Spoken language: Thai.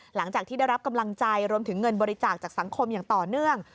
หลังจากที่ได้รับกำลังใจรวมถึงเงินบริจาคจากสังคมอย่างต่อเนื่อง